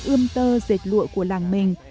ươm tơ dệt lụa của làng mình